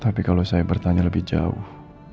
tapi kalau saya bertanya lebih jauh